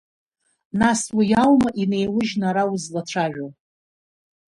Нас, уи аума инеиужьны ара узлацәажәо?